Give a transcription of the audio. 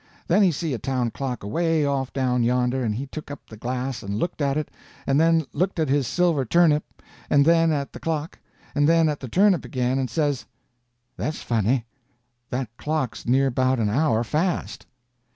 Then he see a town clock away off down yonder, and he took up the glass and looked at it, and then looked at his silver turnip, and then at the clock, and then at the turnip again, and says: "That's funny! That clock's near about an hour fast."